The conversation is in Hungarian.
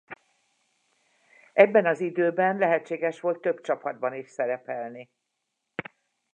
Ebben az időben lehetséges volt több csapatban is szerepelni.